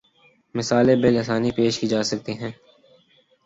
مثالیں باآسانی پیش کی جا سکتی ہیں